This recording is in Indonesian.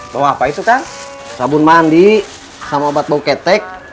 bau apa itu kan sabun mandi sama obat bau ketek